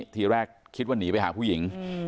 ทีแรกคิดว่าหนีไปหาผู้หญิง